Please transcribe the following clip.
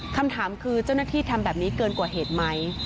คำถามคือเจ้าหน้าที่ทำแบบนี้เกินกว่าเหตุไหม